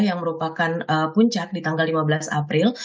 yang merupakan puncak di tanggal lima belas april